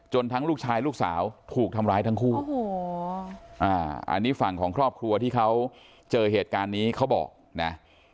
ทั้งลูกชายลูกสาวถูกทำร้ายทั้งคู่อันนี้ฝั่งของครอบครัวที่เขาเจอเหตุการณ์นี้เขาบอกนะ